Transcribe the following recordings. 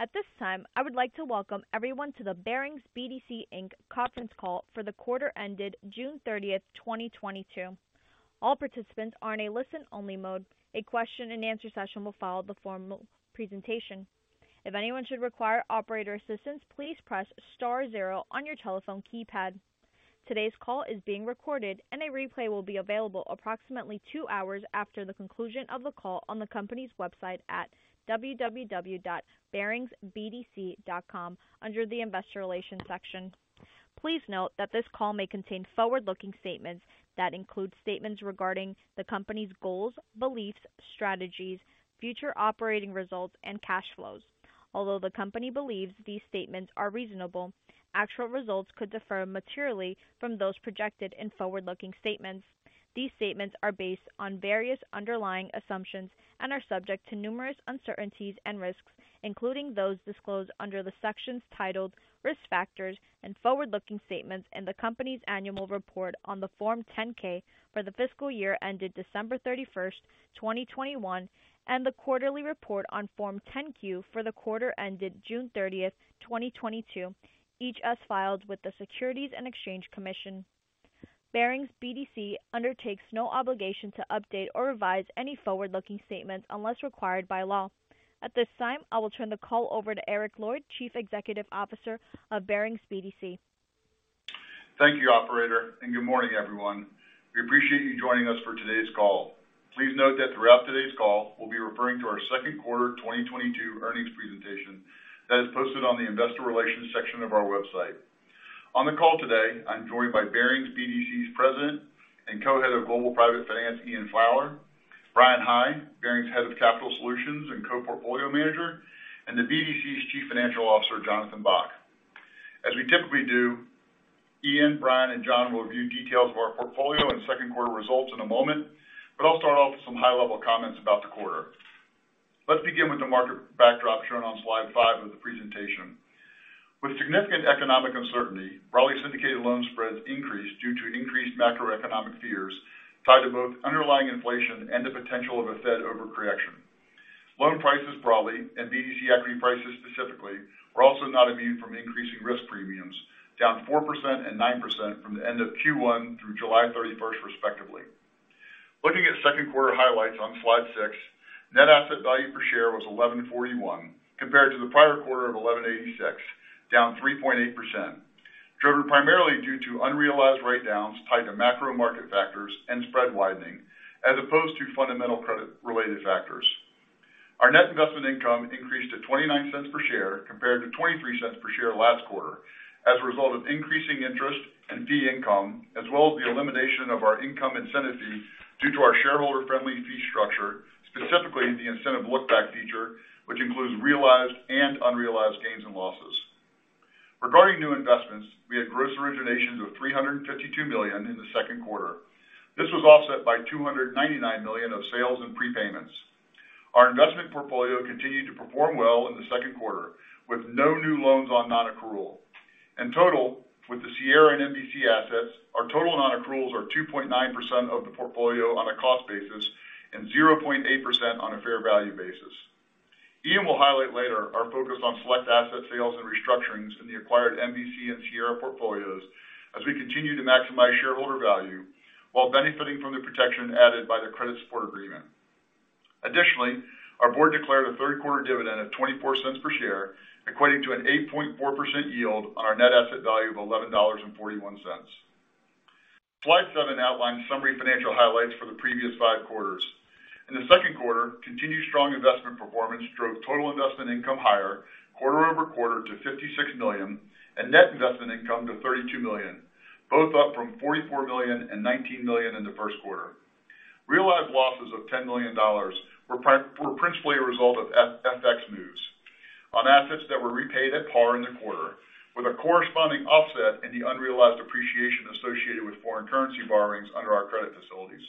At this time, I would like to welcome everyone to the Barings BDC, Inc. Conference Call for the quarter ended June 30th, 2022. All participants are in a listen-only mode. A question and answer session will follow the formal presentation. If anyone should require operator assistance, please press star zero on your telephone keypad. Today's call is being recorded, and a replay will be available approximately two hours after the conclusion of the call on the company's website at www.baringsbdc.com under the Investor Relations section. Please note that this call may contain forward-looking statements that include statements regarding the company's goals, beliefs, strategies, future operating results, and cash flows. Although the company believes these statements are reasonable, actual results could differ materially from those projected in forward-looking statements. These statements are based on various underlying assumptions and are subject to numerous uncertainties and risks, including those disclosed under the sections titled Risk Factors and Forward-Looking Statements in the company's Annual Report on Form 10-K for the fiscal year ended December 31st, 2021, and the quarterly report on Form 10-Q for the quarter ended June 30, 2022, each as filed with the Securities and Exchange Commission. Barings BDC undertakes no obligation to update or revise any forward-looking statements unless required by law. At this time, I will turn the call over to Eric Lloyd, Chief Executive Officer of Barings BDC. Thank you, operator, and good morning, everyone. We appreciate you joining us for today's call. Please note that throughout today's call, we'll be referring to our second quarter 2022 earnings presentation that is posted on the investor relations section of our website. On the call today, I'm joined by Barings BDC's President and Co-Head of Global Private Finance, Ian Fowler; Bryan High, Barings Head of Capital Solutions and Co-Portfolio Manager; and the BDC's Chief Financial Officer, Jonathan Bock. As we typically do, Ian, Bryan, and John will review details of our portfolio and second-quarter results in a moment, but I'll start off with some high-level comments about the quarter. Let's begin with the market backdrop shown on slide five of the presentation. With significant economic uncertainty, broadly syndicated loan spreads increased due to increased macroeconomic fears tied to both underlying inflation and the potential of a Fed overcorrection. Loan prices broadly, and BDC equity prices specifically, were also not immune from increasing risk premiums, down 4% and 9% from the end of Q1 through July 31st, respectively. Looking at second-quarter highlights on slide six, net asset value per share was $11.41 compared to the prior quarter of $11.86, down 3.8%, driven primarily due to unrealized write-downs tied to macro market factors and spread widening, as opposed to fundamental credit-related factors. Our net investment income increased to $0.29 per share compared to $0.23 per share last quarter as a result of increasing interest and fee income, as well as the elimination of our income incentive fee due to our shareholder-friendly fee structure, specifically the incentive look-back feature, which includes realized and unrealized gains and losses. Regarding new investments, we had gross originations of $352 million in the second quarter. This was offset by $299 million of sales and prepayments. Our investment portfolio continued to perform well in the second quarter, with no new loans on non-accrual. In total, with the Sierra and MVC assets, our total non-accruals are 2.9% of the portfolio on a cost basis and 0.8% on a fair value basis. Ian will highlight later our focus on select asset sales and restructurings in the acquired MVC and Sierra portfolios as we continue to maximize shareholder value while benefiting from the protection added by the credit support agreement. Additionally, our board declared a third-quarter dividend of $0.24 per share, equating to an 8.4% yield on our net asset value of $11.41. Slide seven outlines summary financial highlights for the previous five quarters. In the second quarter, continued strong investment performance drove total investment income higher quarter-over-quarter to $56 billion and net investment income to $32 million, both up from $44 million and $19 million in the first quarter. Realized losses of $10 million were principally a result of FX moves on assets that were repaid at par in the quarter, with a corresponding offset in the unrealized depreciation associated with foreign currency borrowings under our credit facilities.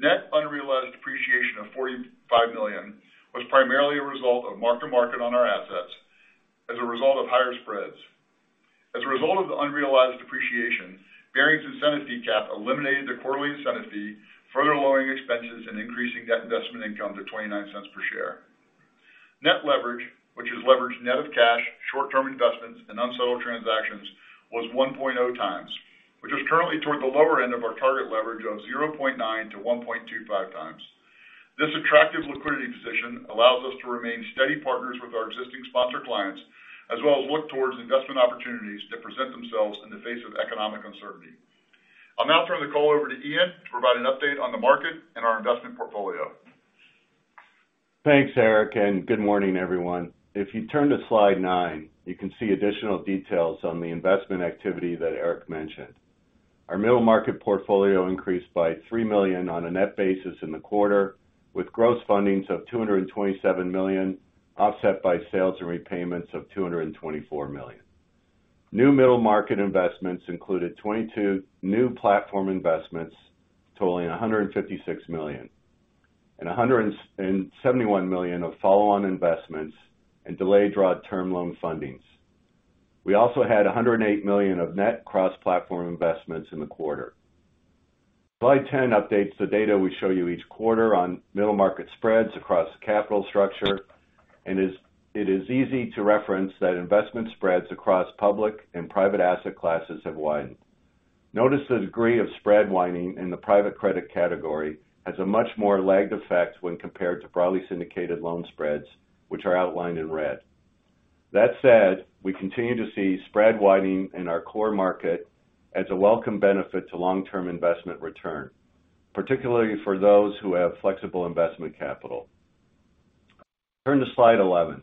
Net unrealized depreciation of $45 million was primarily a result of mark-to-market on our assets as a result of higher spreads. As a result of the unrealized depreciation, Barings' incentive fee cap eliminated the quarterly incentive fee, further lowering expenses and increasing net investment income to $0.29 per share. Net leverage, which is leverage net of cash, short-term investments, and unsold transactions, was 1.0x, which is currently toward the lower end of our target leverage of 0.9x to 1.25x. This attractive liquidity position allows us to remain steady partners with our existing sponsor clients, as well as look towards investment opportunities that present themselves in the face of economic uncertainty. I'll now turn the call over to Ian to provide an update on the market and our investment portfolio. Thanks, Eric, and good morning, everyone. If you turn to slide nine, you can see additional details on the investment activity that Eric mentioned. Our middle market portfolio increased by $3 million on a net basis in the quarter, with gross fundings of $227 million, offset by sales and repayments of $224 million. New middle market investments included 22 new platform investments totaling $156 million and $171 million of follow-on investments and delayed draw term loan fundings. We also had $108 million of net cross-platform investments in the quarter. Slide 10 updates the data we show you each quarter on middle market spreads across the capital structure. It is easy to reference that investment spreads across public and private asset classes have widened. Notice the degree of spread widening in the private credit category has a much more lagged effect when compared to broadly syndicated loan spreads, which are outlined in red. That said, we continue to see spread widening in our core market as a welcome benefit to long-term investment return, particularly for those who have flexible investment capital. Turn to slide 11.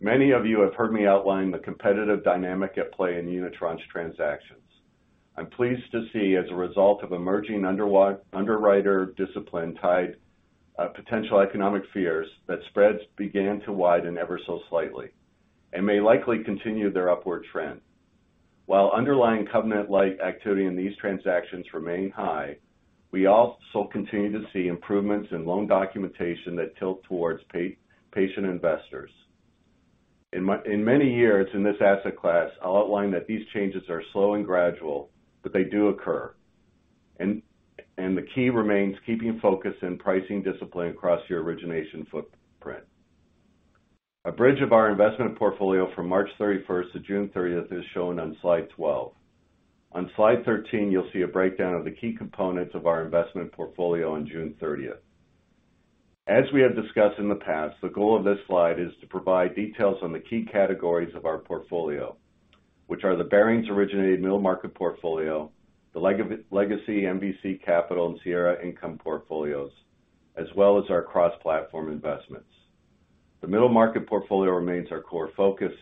Many of you have heard me outline the competitive dynamic at play in unitranche transactions. I'm pleased to see, as a result of emerging underwriter discipline tied, potential economic fears, that spreads began to widen ever so slightly and may likely continue their upward trend. While underlying covenant light activity in these transactions remain high, we also continue to see improvements in loan documentation that tilt towards patient investors. In many years in this asset class, I'll outline that these changes are slow and gradual, but they do occur. The key remains keeping focus and pricing discipline across your origination footprint. A bridge of our investment portfolio from March 31st to June 30th is shown on slide 12. On slide 13, you'll see a breakdown of the key components of our investment portfolio on June 30. As we have discussed in the past, the goal of this slide is to provide details on the key categories of our portfolio, which are the Barings originated middle market portfolio, the legacy MVC Capital and Sierra Income portfolios, as well as our cross-platform investments. The middle market portfolio remains our core focus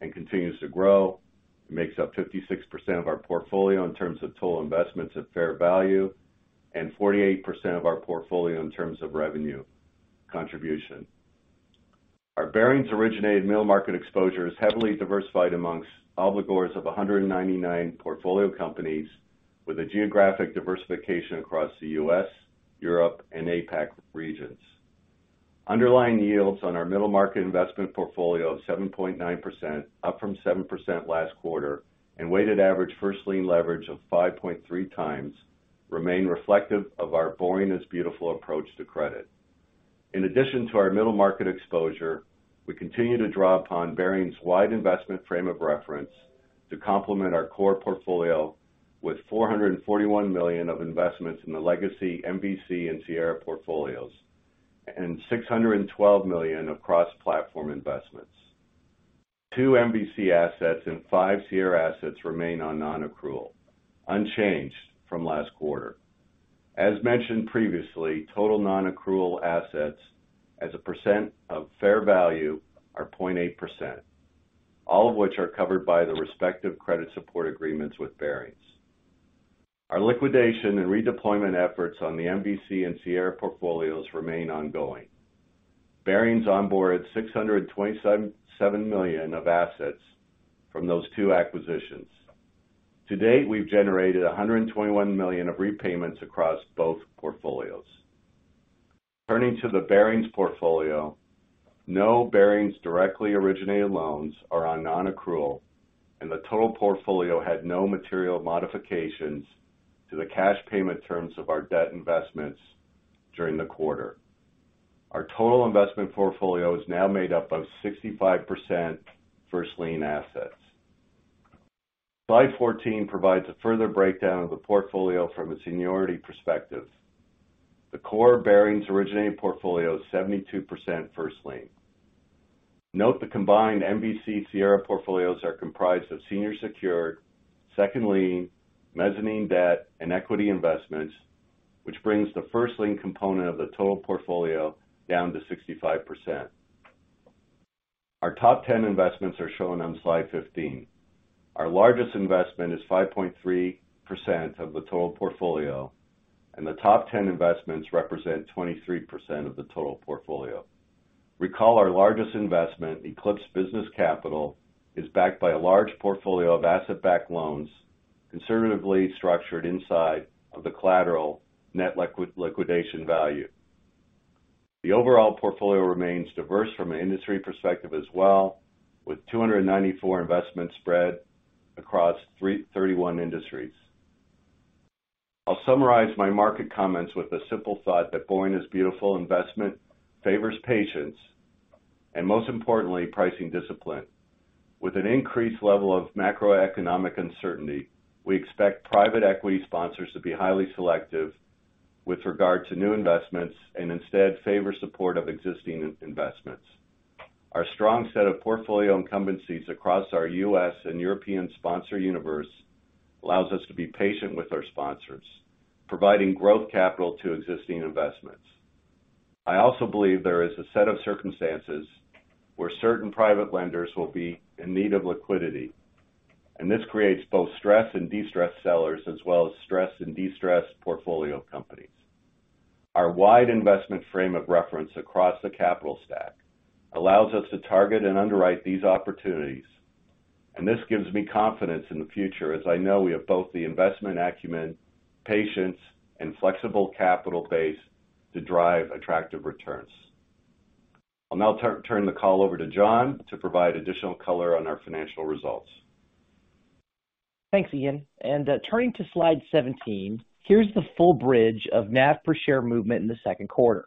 and continues to grow. It makes up 56% of our portfolio in terms of total investments at fair value, and 48% of our portfolio in terms of revenue contribution. Our Barings originated middle market exposure is heavily diversified among obligors of 199 portfolio companies with a geographic diversification across the U.S., Europe and APAC regions. Underlying yields on our middle market investment portfolio of 7.9%, up from 7% last quarter, and weighted average first lien leverage of 5.3x remain reflective of our boring is beautiful approach to credit. In addition to our middle market exposure, we continue to draw upon Barings' wide investment frame of reference to complement our core portfolio with $441 million of investments in the legacy MVC and Sierra portfolios and $612 million of cross-platform investments. Two MVC assets and five Sierra assets remain on non-accrual, unchanged from last quarter. As mentioned previously, total non-accrual assets as a percent of fair value are 0.8%, all of which are covered by the respective credit support agreements with Barings. Our liquidation and redeployment efforts on the MVC and Sierra portfolios remain ongoing. Barings onboarded $627.7 million of assets from those two acquisitions. To date, we've generated $121 million of repayments across both portfolios. Turning to the Barings portfolio, no Barings directly originated loans are on non-accrual, and the total portfolio had no material modifications to the cash payment terms of our debt investments during the quarter. Our total investment portfolio is now made up of 65% first lien assets. Slide 14 provides a further breakdown of the portfolio from a seniority perspective. The core Barings originated portfolio is 72% first lien. Note the combined MVC Sierra portfolios are comprised of senior secured, second lien, mezzanine debt, and equity investments, which brings the first lien component of the total portfolio down to 65%. Our top ten investments are shown on slide 15. Our largest investment is 5.3% of the total portfolio, and the top ten investments represent 23% of the total portfolio. Recall our largest investment, Eclipse Business Capital, is backed by a large portfolio of asset-backed loans conservatively structured inside of the collateral net liquidation value. The overall portfolio remains diverse from an industry perspective as well, with 294 investments spread across 31 industries. I'll summarize my market comments with the simple thought that boring is beautiful. Investment favors patience and, most importantly, pricing discipline. With an increased level of macroeconomic uncertainty, we expect private equity sponsors to be highly selective with regard to new investments and instead favor support of existing investments. Our strong set of portfolio incumbencies across our U.S. and European sponsor universe allows us to be patient with our sponsors, providing growth capital to existing investments. I also believe there is a set of circumstances where certain private lenders will be in need of liquidity, and this creates both stressed and distressed sellers as well as stressed and distressed portfolio companies. Our wide investment frame of reference across the capital stack allows us to target and underwrite these opportunities, and this gives me confidence in the future as I know we have both the investment acumen, patience, and flexible capital base to drive attractive returns. I'll now turn the call over to John to provide additional color on our financial results. Thanks, Ian. Turning to slide 17, here's the full bridge of NAV per share movement in the second quarter.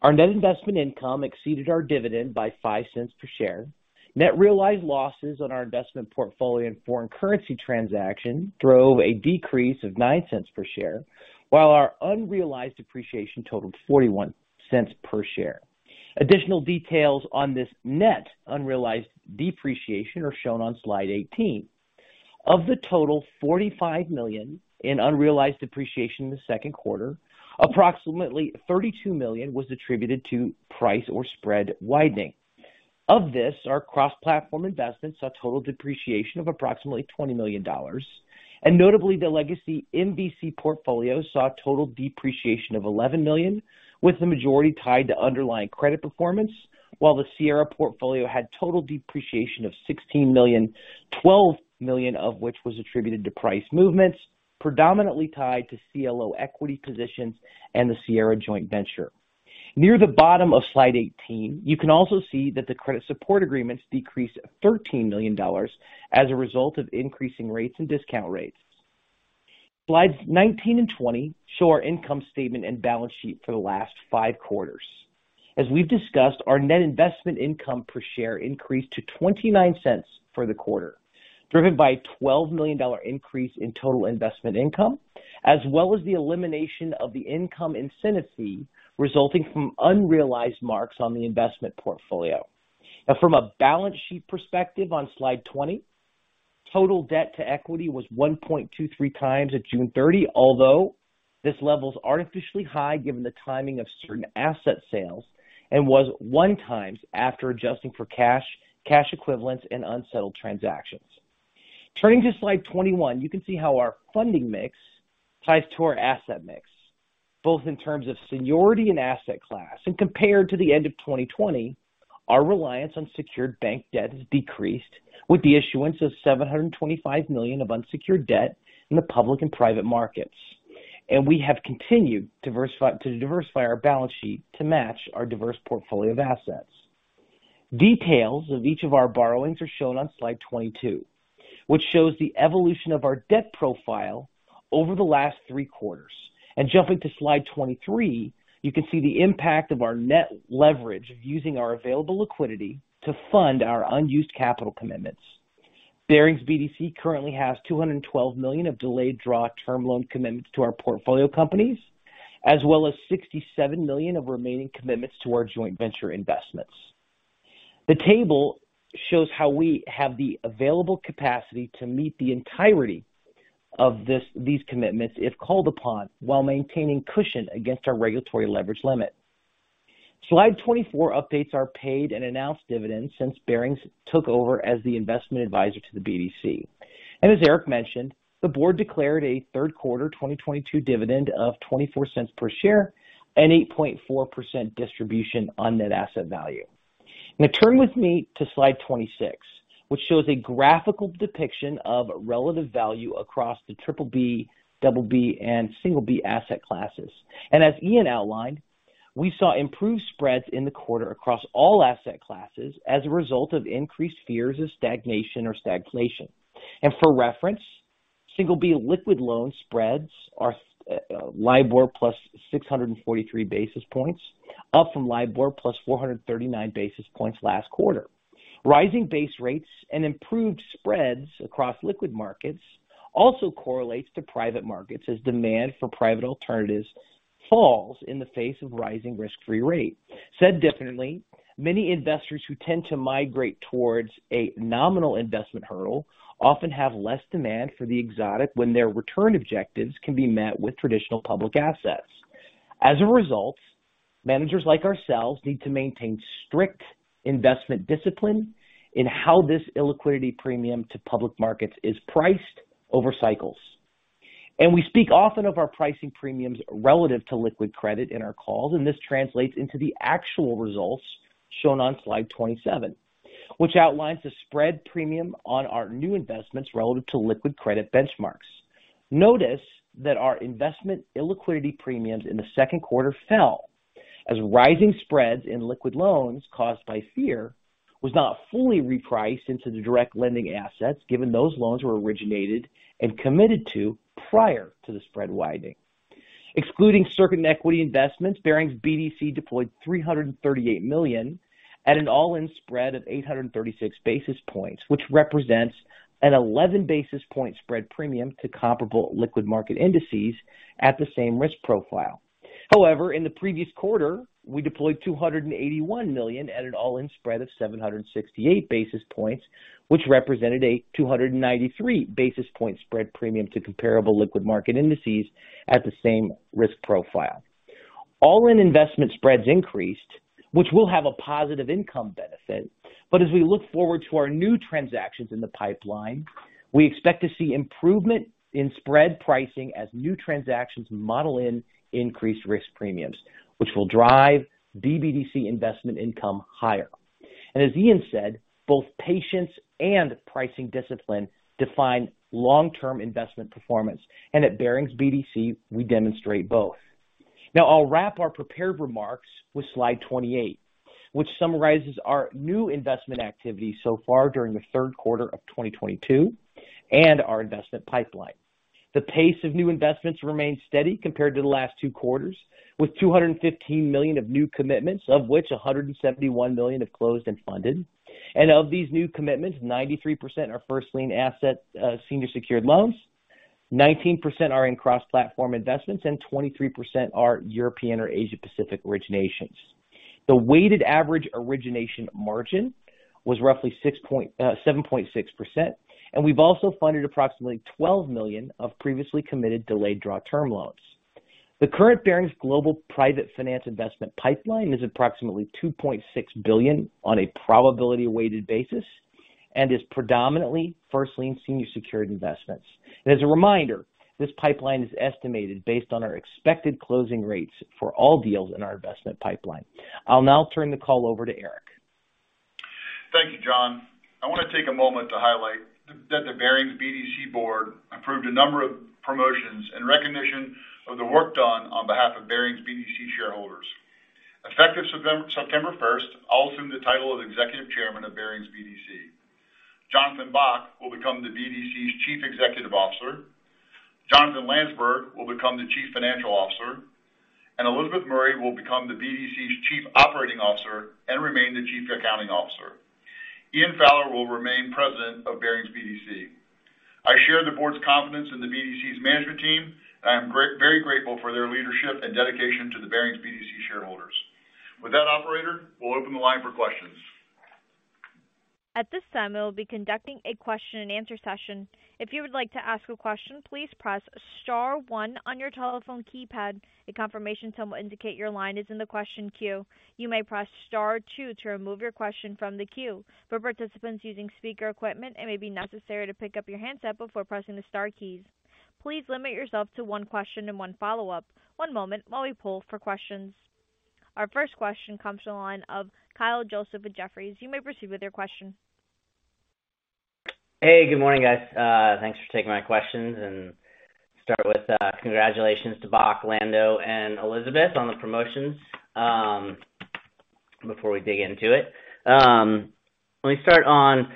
Our net investment income exceeded our dividend by $0.05 per share. Net realized losses on our investment portfolio and foreign currency transaction drove a decrease of $0.09 per share, while our unrealized appreciation totaled $0.41 per share. Additional details on this net unrealized depreciation are shown on slide 18. Of the total $45 million in unrealized depreciation in the second quarter, approximately $32 million was attributed to price or spread widening. Of this, our cross-platform investments saw total depreciation of approximately $20 million. Notably, the legacy MVC portfolio saw total depreciation of $11 million, with the majority tied to underlying credit performance. While the Sierra portfolio had total depreciation of $16 million, $12 million of which was attributed to price movements predominantly tied to CLO equity positions and the Sierra joint venture. Near the bottom of slide 18, you can also see that the credit support agreements decreased $13 million as a result of increasing rates and discount rates. Slides 19 and 20 show our income statement and balance sheet for the last five quarters. As we've discussed, our net investment income per share increased to $0.29 for the quarter, driven by a $12 million increase in total investment income, as well as the elimination of the income incentive fee resulting from unrealized marks on the investment portfolio. Now from a balance sheet perspective on slide 20, total debt to equity was 1.23x at June 30, although this level is artificially high given the timing of certain asset sales and was 1x after adjusting for cash equivalents, and unsettled transactions. Turning to slide 21, you can see how our funding mix ties to our asset mix, both in terms of seniority and asset class. Compared to the end of 2020, our reliance on secured bank debt has decreased with the issuance of $725 million of unsecured debt in the public and private markets. We have continued to diversify our balance sheet to match our diverse portfolio of assets. Details of each of our borrowings are shown on slide 22, which shows the evolution of our debt profile over the last three quarters. Jumping to slide 23, you can see the impact of our net leverage of using our available liquidity to fund our unused capital commitments. Barings BDC currently has $212 million of delayed draw term loan commitments to our portfolio companies, as well as $67 million of remaining commitments to our joint venture investments. The table shows how we have the available capacity to meet the entirety of these commitments, if called upon, while maintaining cushion against our regulatory leverage limit. Slide 24 updates our paid and announced dividends since Barings took over as the investment advisor to the BDC. As Eric mentioned, the board declared a third quarter 2022 dividend of $0.24 per share and 8.4% distribution on net asset value. Now turn with me to slide 26, which shows a graphical depiction of relative value across the BBB, BB, and B asset classes. As Ian outlined, we saw improved spreads in the quarter across all asset classes as a result of increased fears of stagnation or stagflation. For reference, single B liquid loan spreads are LIBOR plus 643 basis points, up from LIBOR plus 439 basis points last quarter. Rising base rates and improved spreads across liquid markets also correlates to private markets as demand for private alternatives falls in the face of rising risk-free rate. Said differently, many investors who tend to migrate towards a nominal investment hurdle often have less demand for the exotic when their return objectives can be met with traditional public assets. As a result, managers like ourselves need to maintain strict investment discipline in how this illiquidity premium to public markets is priced over cycles. We speak often of our pricing premiums relative to liquid credit in our calls, and this translates into the actual results shown on slide 27, which outlines the spread premium on our new investments relative to liquid credit benchmarks. Notice that our investment illiquidity premiums in the second quarter fell as rising spreads in liquid loans caused by fear was not fully repriced into the direct lending assets, given those loans were originated and committed to prior to the spread widening. Excluding certain equity investments, Barings BDC deployed $338 million at an all-in spread of 836 basis points, which represents an 11 basis point spread premium to comparable liquid market indices at the same risk profile. However, in the previous quarter, we deployed $281 million at an all-in spread of 768 basis points, which represented a 293 basis point spread premium to comparable liquid market indices at the same risk profile. All-in investment spreads increased, which will have a positive income benefit. As we look forward to our new transactions in the pipeline, we expect to see improvement in spread pricing as new transactions model in increased risk premiums, which will drive BBDC investment income higher. As Ian said, both patience and pricing discipline define long-term investment performance. At Barings BDC, we demonstrate both. Now I'll wrap our prepared remarks with slide 28, which summarizes our new investment activity so far during the third quarter of 2022, and our investment pipeline. The pace of new investments remained steady compared to the last two quarters, with $215 million of new commitments, of which $171 million have closed and funded. Of these new commitments, 93% are first lien assets, senior secured loans, 19% are in cross-platform investments, and 23% are European or Asia-Pacific originations. The weighted average origination margin was roughly 7.6%, and we've also funded approximately $12 million of previously committed delayed draw term loans. The current Barings Global Private Finance investment pipeline is approximately $2.6 billion on a probability weighted basis, and is predominantly first lien senior secured investments. As a reminder, this pipeline is estimated based on our expected closing rates for all deals in our investment pipeline. I'll now turn the call over to Eric. Thank you, John. I wanna take a moment to highlight that the Barings BDC board approved a number of promotions in recognition of the work done on behalf of Barings BDC shareholders. Effective September first, I'll assume the title of Executive Chairman of Barings BDC. Jonathan Bock will become the BDC's Chief Executive Officer, Jonathan Landsberg will become the Chief Financial Officer, and Elizabeth Murray will become the BDC's Chief Operating Officer and remain the Chief Accounting Officer. Ian Fowler will remain President of Barings BDC. I share the board's confidence in the BDC's management team, and I am very grateful for their leadership and dedication to the Barings BDC shareholders. With that, operator, we'll open the line for questions. At this time, we'll be conducting a question and answer session. If you would like to ask a question, please press star one on your telephone keypad. A confirmation tone will indicate your line is in the question queue. You may press star two to remove your question from the queue. For participants using speaker equipment, it may be necessary to pick up your handset before pressing the star keys. Please limit yourself to one question and one follow-up. One moment while we poll for questions. Our first question comes from the line of Kyle Joseph at Jefferies. You may proceed with your question. Hey, good morning, guys. Thanks for taking my questions. Start with congratulations to Bock, Landsberg, and Elizabeth on the promotions, before we dig into it. Let me start on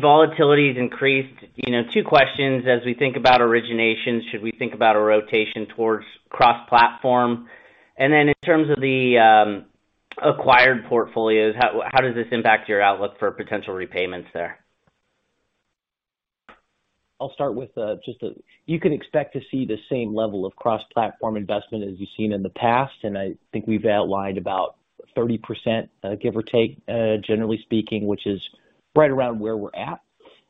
volatility has increased. You know, two questions. As we think about origination, should we think about a rotation towards cross-platform? And then in terms of the acquired portfolios, how does this impact your outlook for potential repayments there? You can expect to see the same level of cross-platform investment as you've seen in the past. I think we've outlined about 30%, give or take, generally speaking, which is right around where we're at.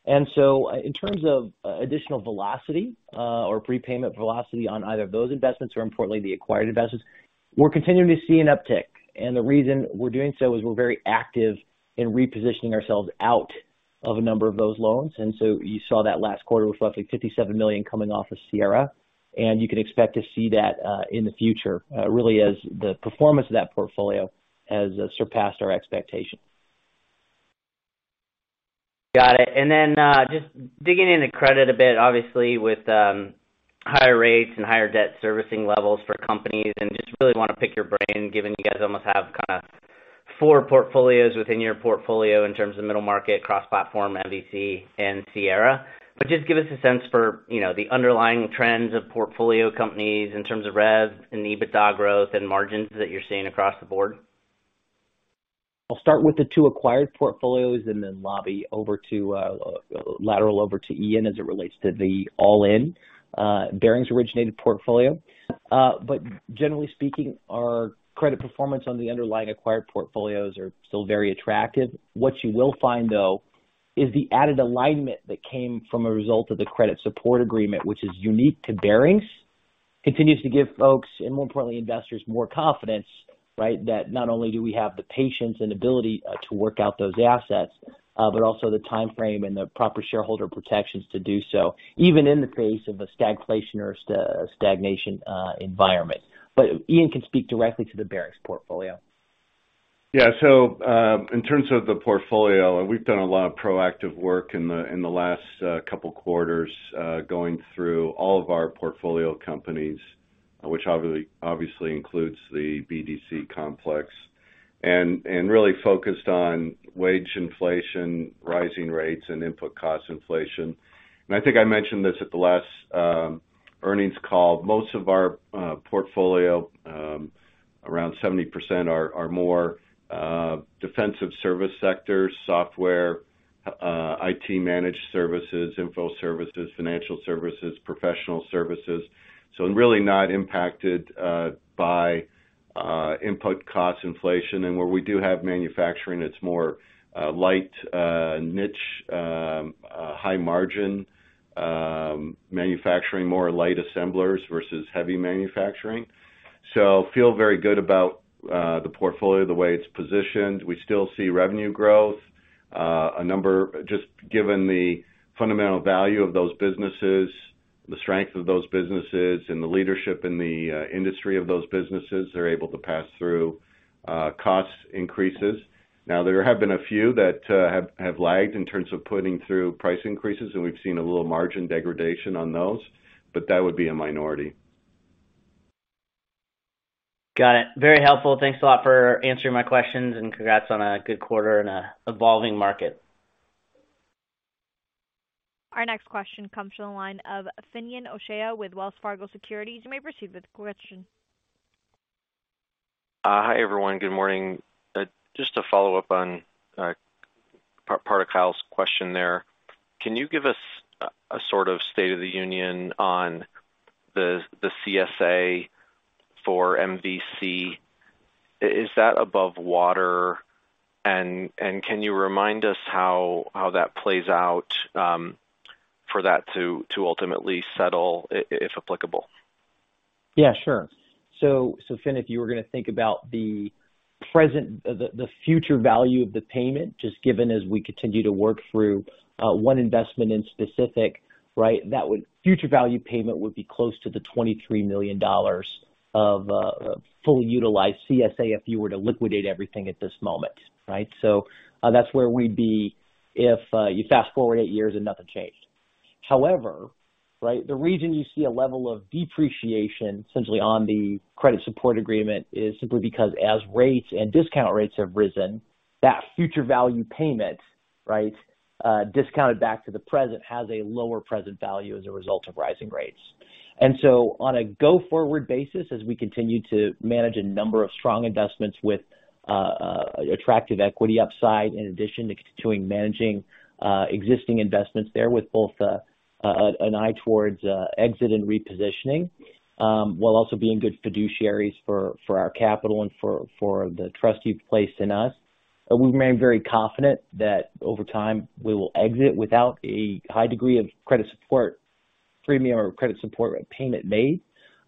In terms of additional velocity or prepayment velocity on either of those investments or importantly, the acquired investments, we're continuing to see an uptick. The reason we're doing so is we're very active in repositioning ourselves out of a number of those loans. You saw that last quarter with roughly $57 million coming off of Sierra, and you can expect to see that in the future, really as the performance of that portfolio has surpassed our expectations. Got it. Then, just digging into credit a bit, obviously with higher rates and higher debt servicing levels for companies, and just really wanna pick your brain, given you guys almost have kinda four portfolios within your portfolio in terms of middle market, cross-platform, MVC, and Sierra. Just give us a sense for, you know, the underlying trends of portfolio companies in terms of rev and EBITDA growth and margins that you're seeing across the board. I'll start with the two acquired portfolios and then lateral over to Ian as it relates to the all-in Barings originated portfolio. Generally speaking, our credit performance on the underlying acquired portfolios are still very attractive. What you will find, though, is the added alignment that came from a result of the credit support agreement, which is unique to Barings, continues to give folks, and more importantly investors, more confidence, right? That not only do we have the patience and ability to work out those assets, but also the timeframe and the proper shareholder protections to do so, even in the face of a stagflation or stagnation environment. Ian can speak directly to the Barings portfolio. Yeah. In terms of the portfolio, we've done a lot of proactive work in the last couple quarters, going through all of our portfolio companies, which obviously includes the BDC complex, and really focused on wage inflation, rising rates, and input cost inflation. I think I mentioned this at the last earnings call. Most of our portfolio around 70% or more defensive service sectors, software, IT managed services, info services, financial services, professional services. Really not impacted by input cost inflation. Where we do have manufacturing, it's more light niche high margin manufacturing, more light assemblers versus heavy manufacturing. Feel very good about the portfolio, the way it's positioned. We still see revenue growth. A number just given the fundamental value of those businesses, the strength of those businesses and the leadership in the industry of those businesses, they're able to pass through cost increases. Now, there have been a few that have lagged in terms of putting through price increases, and we've seen a little margin degradation on those, but that would be a minority. Got it. Very helpful. Thanks a lot for answering my questions, and congrats on a good quarter in an evolving market. Our next question comes from the line of Finian O'Shea with Wells Fargo Securities. You may proceed with your question. Hi, everyone. Good morning. Just to follow up on part of Kyle's question there. Can you give us a sort of state of the union on the CSA for MVC? Is that above water? And can you remind us how that plays out for that to ultimately settle if applicable? Yeah, sure. Finian, if you were gonna think about the present, the future value of the payment, just given as we continue to work through one investment in specific, right? Future value payment would be close to the $23 million of fully utilized CSA if you were to liquidate everything at this moment, right? That's where we'd be if you fast-forward eight years and nothing changed. However, the reason you see a level of depreciation, essentially on the credit support agreement is simply because as rates and discount rates have risen, that future value payment, discounted back to the present, has a lower present value as a result of rising rates. On a go-forward basis, as we continue to manage a number of strong investments with attractive equity upside, in addition to continuing managing existing investments there with both an eye towards exit and repositioning, while also being good fiduciaries for our capital and for the trust you've placed in us. We've remained very confident that over time, we will exit without a high degree of credit support premium or credit support payment made.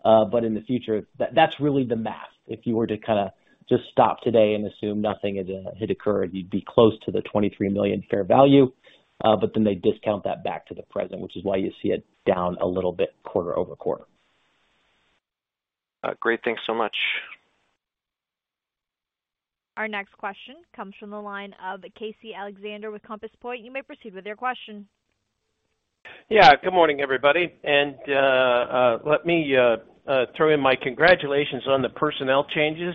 In the future, that's really the math. If you were to kinda just stop today and assume nothing had occurred, you'd be close to the $23 million fair value. Then they discount that back to the present, which is why you see it down a little bit quarter-over-quarter. Great. Thanks so much. Our next question comes from the line of Casey Alexander with Compass Point. You may proceed with your question. Yeah. Good morning, everybody, and let me throw in my congratulations on the personnel changes.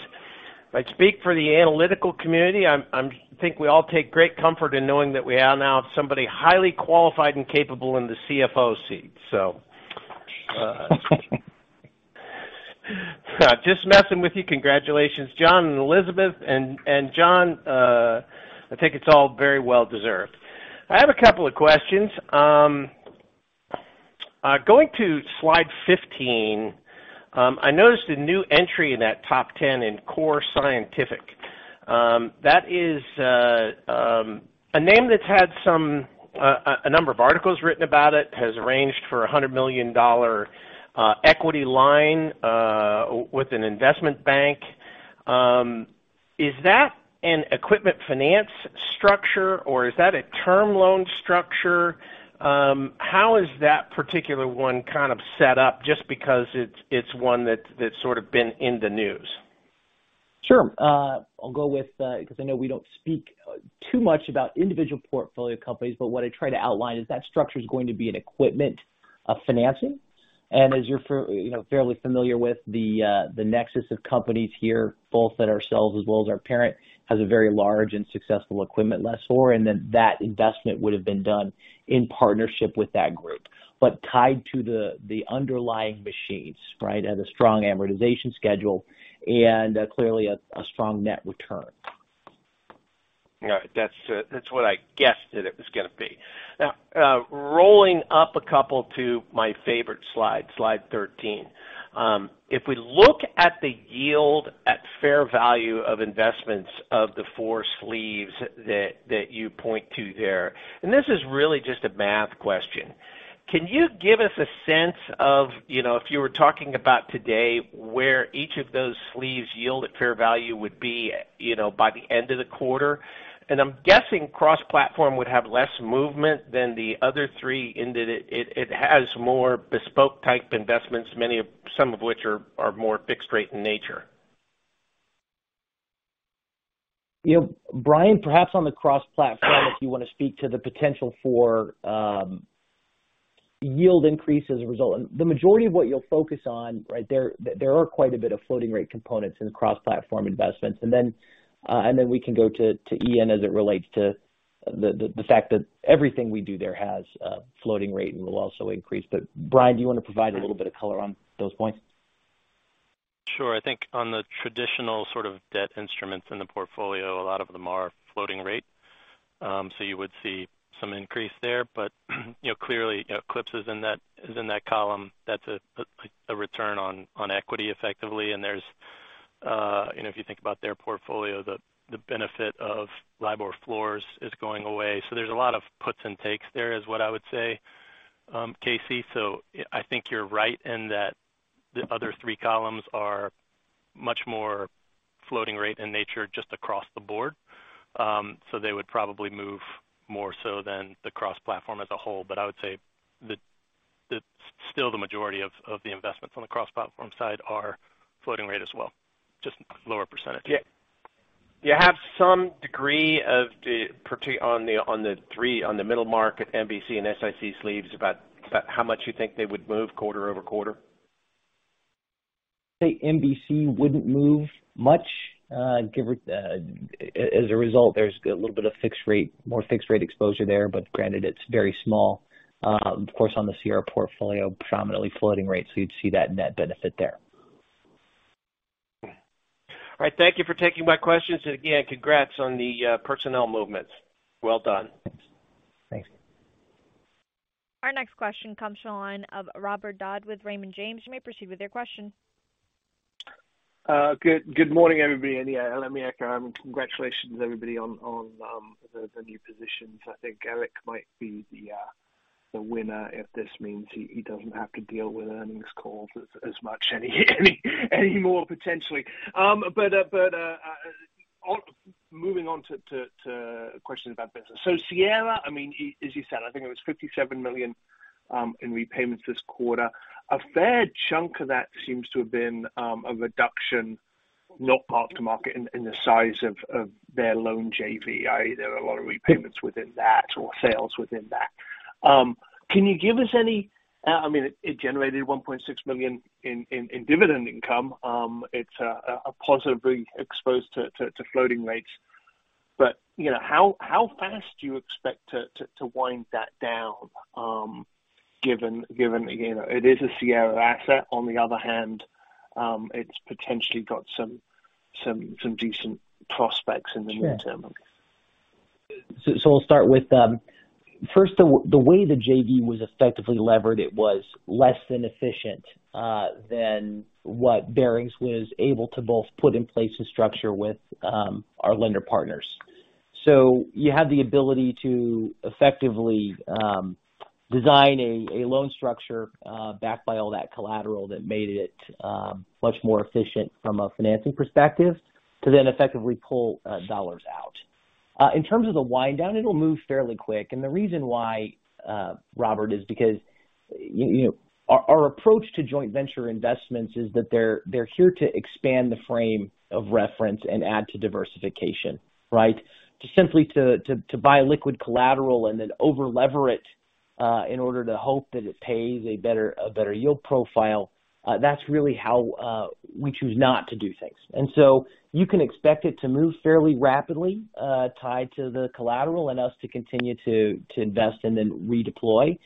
If I speak for the analytical community, I think we all take great comfort in knowing that we have now somebody highly qualified and capable in the CFO seat. Just messing with you. Congratulations, John and Elizabeth. John, I think it's all very well deserved. I have a couple of questions. Going to slide 15. I noticed a new entry in that top 10 in Core Scientific. That is a name that's had some, a number of articles written about it, has arranged for a $100 million equity line with an investment bank. Is that an equipment finance structure, or is that a term loan structure? How is that particular one kind of set up? Just because it's one that's sort of been in the news. Sure. I'll go with, 'cause I know we don't speak too much about individual portfolio companies, but what I try to outline is that structure is going to be an equipment financing. As you're, you know, fairly familiar with the nexus of companies here, both at ourselves as well as our parent, has a very large and successful equipment lessor. Then that investment would have been done in partnership with that group, but tied to the underlying machines, right? At a strong amortization schedule and clearly a strong net return. All right. That's what I guessed that it was gonna be. Now, rolling up a couple to my favorite slide 13. If we look at the yield at fair value of investments of the four sleeves that you point to there, and this is really just a math question. Can you give us a sense of, you know, if you were talking about today, where each of those sleeves yield at fair value would be, you know, by the end of the quarter? I'm guessing cross-platform would have less movement than the other three in that it has more bespoke type investments, many of, some of which are more fixed rate in nature. You know, Bryan, perhaps on the cross-platform, if you wanna speak to the potential for yield increase as a result. The majority of what you'll focus on, right? There are quite a bit of floating rate components in cross-platform investments. We can go to Ian as it relates to the fact that everything we do there has a floating rate and will also increase. Bryan, do you wanna provide a little bit of color on those points? Sure. I think on the traditional sort of debt instruments in the portfolio, a lot of them are floating rate. So you would see some increase there. You know, clearly, you know, Eclipse is in that column. That's a return on equity effectively. There's, you know, if you think about their portfolio, the benefit of LIBOR floors is going away. There's a lot of puts and takes there, is what I would say, Casey. I think you're right in that the other three columns areMuch more floating rate in nature just across the board. They would probably move more so than the cross-platform as a whole. I would say the majority of the investments on the cross-platform side are floating rate as well, just lower percentage. Yeah. Do you have some degree of the portfolio on the three, on the middle-market, MVC and Sierra sleeves about how much you think they would move quarter-over-quarter? The MVC wouldn't move much, as a result, there's a little bit of fixed rate, more fixed rate exposure there, but granted, it's very small. Of course, on the Sierra portfolio, predominantly floating rates, so you'd see that net benefit there. All right. Thank you for taking my questions. Again, congrats on the personnel movements. Well done. Thanks. Our next question comes from the line of Robert Dodd with Raymond James. You may proceed with your question. Good morning, everybody. Yeah, let me echo the congratulations everybody on the new positions. I think Eric might be the winner if this means he doesn't have to deal with earnings calls as much anymore, potentially. Moving on to questions about business. Sierra, as you said, I think it was $57 million in repayments this quarter. A fair chunk of that seems to have been a reduction, not mark-to-market, in the size of their loan JV. There are a lot of repayments within that or sales within that. Can you give us any. I mean, it generated $1.6 million in dividend income. It's positively exposed to floating rates. you know, how fast do you expect to wind that down, given you know, it is a Sierra asset. On the other hand, it's potentially got some decent prospects in the near term. Sure. I'll start with first the way the JV was effectively levered. It was less than efficient than what Barings was able to both put in place a structure with our lender partners. You have the ability to effectively design a loan structure backed by all that collateral that made it much more efficient from a financing perspective to then effectively pull dollars out. In terms of the wind down, it'll move fairly quick. The reason why, Robert, is because you know our approach to joint venture investments is that they're here to expand the frame of reference and add to diversification, right? To simply buy liquid collateral and then over-lever it in order to hope that it pays a better yield profile, that's really how we choose not to do things. You can expect it to move fairly rapidly, tied to the collateral and us to continue to invest and then redeploy.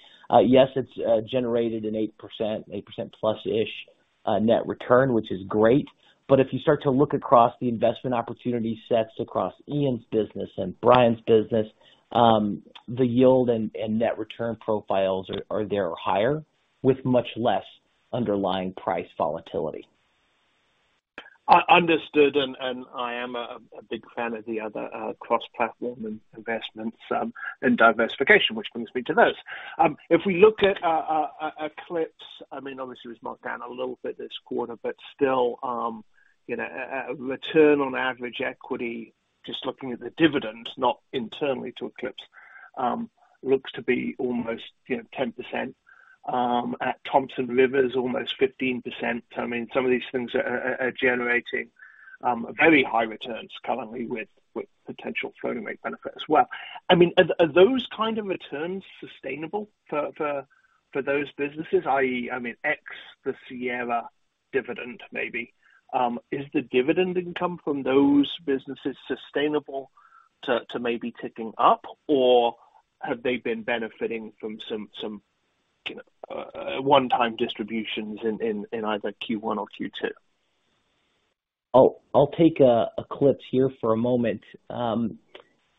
Yes, it's generated an 8%+-ish net return, which is great. If you start to look across the investment opportunity sets across Ian's business and Bryan's business, the yield and net return profiles are there or higher with much less underlying price volatility. Understood. I am a big fan of the other cross-platform investments and diversification, which brings me to those. If we look at Eclipse, I mean, obviously it was marked down a little bit this quarter, but still, you know, return on average equity, just looking at the dividends, not internally to Eclipse, looks to be almost, you know, 10%. At Thompson River, almost 15%. I mean, some of these things are generating very high returns currently with potential floating rate benefit as well. I mean, are those kind of returns sustainable for those businesses? I mean, ex the Sierra dividend, maybe. Is the dividend income from those businesses sustainable to maybe ticking up? Have they been benefiting from some you know one-time distributions in either Q1 or Q2? I'll take Eclipse here for a moment.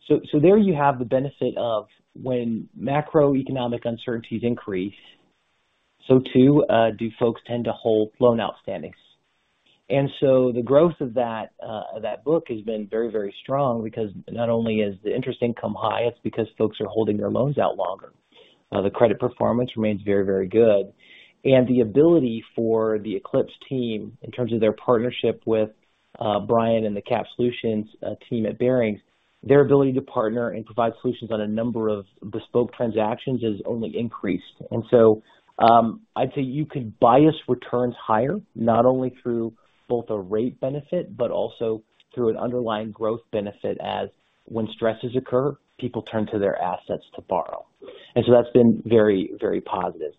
There you have the benefit of when macroeconomic uncertainties increase, so too do folks tend to hold loan outstandings. The growth of that book has been very, very strong because not only is the interest income high, it's because folks are holding their loans out longer. The credit performance remains very, very good. The ability for the Eclipse team, in terms of their partnership with Bryan and the Capital Solutions team at Barings, their ability to partner and provide solutions on a number of bespoke transactions has only increased. I'd say you could bias returns higher, not only through both a rate benefit, but also through an underlying growth benefit as when stresses occur, people turn to their assets to borrow. That's been very, very positive.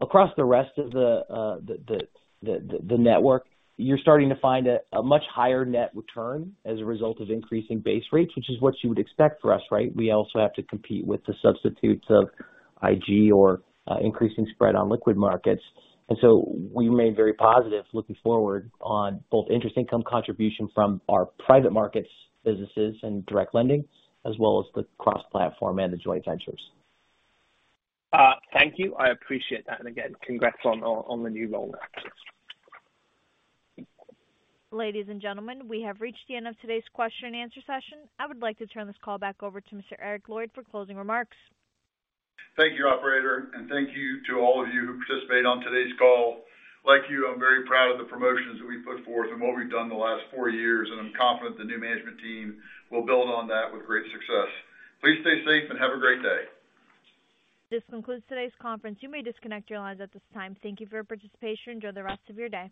Across the rest of the network, you're starting to find a much higher net return as a result of increasing base rates, which is what you would expect for us, right? We also have to compete with the substitutes of IG or increasing spread on liquid markets. We remain very positive looking forward on both interest income contribution from our private markets businesses and direct lending, as well as the cross-platform and the joint ventures. Thank you. I appreciate that. Again, congrats on the new role. Ladies and gentlemen, we have reached the end of today's question and answer session. I would like to turn this call back over to Mr. Eric Lloyd for closing remarks. Thank you, operator, and thank you to all of you who participated on today's call. Like you, I'm very proud of the promotions that we've put forth and what we've done the last four years, and I'm confident the new management team will build on that with great success. Please stay safe and have a great day. This concludes today's conference. You may disconnect your lines at this time. Thank you for your participation. Enjoy the rest of your day.